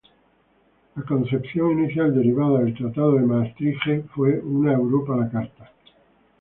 La inicial concepción derivada del Tratado de Maastricht fue una "Europa a la carta".